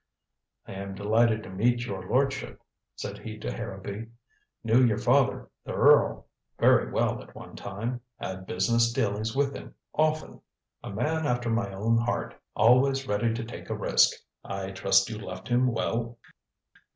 "I am delighted to meet your lordship," said he to Harrowby. "Knew your father, the earl, very well at one time. Had business dealings with him often. A man after my own heart. Always ready to take a risk. I trust you left him well?"